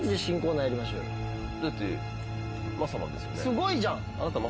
すごいじゃん。